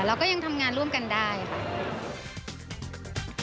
แล้วก็ยังทำงานร่วมกันได้ค่ะ